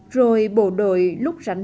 rồi bộ đội lúc rảnh